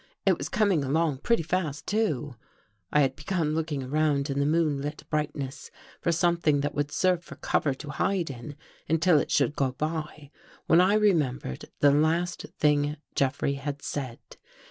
It was coming along pretty fast, too. I had begun looking about in the moonlit bright ness for something that would serve for cover to hide in until it should go by when I remembered the last thing Jeffrey had said.